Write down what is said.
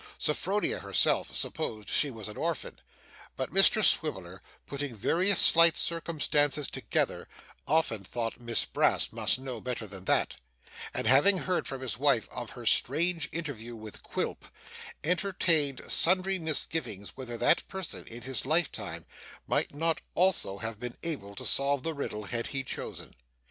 Sophronia herself supposed she was an orphan; but Mr Swiveller, putting various slight circumstances together, often thought Miss Brass must know better than that; and, having heard from his wife of her strange interview with Quilp, entertained sundry misgivings whether that person, in his lifetime, might not also have been able to solve the riddle, had he chosen.